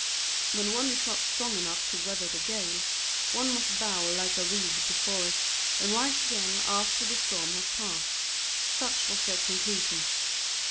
When one is not strong enough to weather the gale, one must bow like the reed before it and rise again after the storm has passed; such was their conclusion.